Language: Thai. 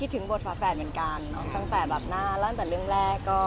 ตั้งแต่บัฏนานแล้วหลังแต่เรื่องแรก